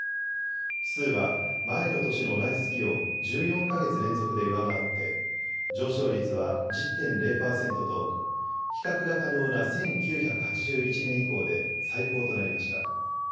指数は前の年の同じ月を１４か月連続で上回って上昇率は１０．０％と比較が可能な１９８１年以降で最高となりました。